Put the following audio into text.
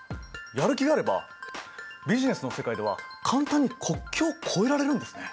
やる気があればビジネスの世界では簡単に国境を越えられるんですね。